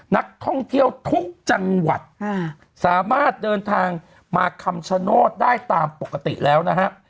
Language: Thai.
นักท่องเที่ยวทุกจังหวัดสามารถเดินทางมาคำชโนธได้ตามปกติแล้วนะฮะ